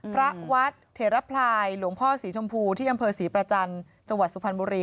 พระวัดเถระพลายหลวงพ่อสีชมพูที่อำเภอศรีประจันทร์จังหวัดสุพรรณบุรี